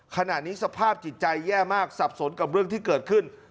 ขณะนี้สภาพจิตใจแย่มากสับสนกับเรื่องที่เกิดขึ้น